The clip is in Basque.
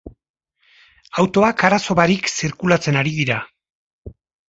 Autoak arazo barik zirkulartzen ari dira.